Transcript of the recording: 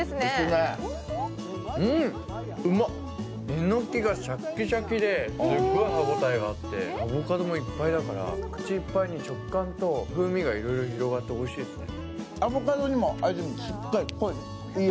えのきがシャッシャキですっごい歯応えがあってアボカドも風味があって、口いっぱいに食感と風味が広がっておいしいですね。